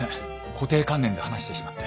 固定観念で話してしまって。